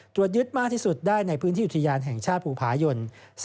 ตรวจยึดมากที่สุดได้ในพื้นที่อุทยานแห่งชาติภูผายน